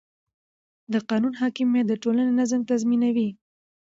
د قانون حاکمیت د ټولنې نظم تضمینوي